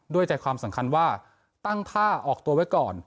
ด้วยใจความสำคัญว่าตั้งท่าออกตัวไว้ก่อน